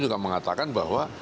juga mengatakan bahwa